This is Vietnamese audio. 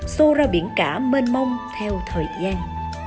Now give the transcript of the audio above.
xô ra biển cả mênh mông theo thời gian